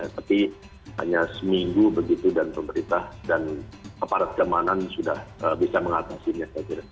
tapi hanya seminggu begitu dan pemerintah dan keamanan sudah bisa mengatasinya